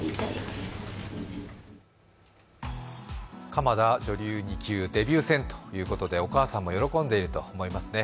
鎌田女流二級デビュー戦ということでお母さんも喜んでいると思いますね。